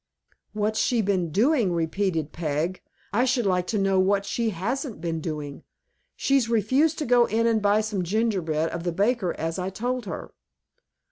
"What's she been doing?" repeated Peg; "I should like to know what she hasn't been doing. She's refused to go in and buy some gingerbread of the baker, as I told her."